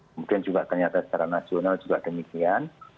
kemudian juga ternyata secara nasional juga demikian